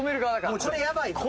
これやばいぞ。